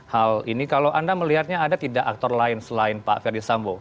hal ini kalau anda melihatnya ada tidak aktor lain selain pak ferdisambo